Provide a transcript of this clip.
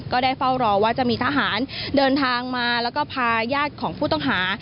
ก็ได้เฝ้ารอว่าจะมีทหารเดินทางมาแล้วก็พาญาติของผู้ต้องหา